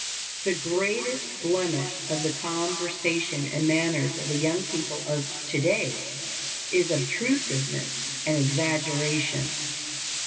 The greatest blemish of the conversation and manners of the young people of to day is obtrusiveness and exaggeration.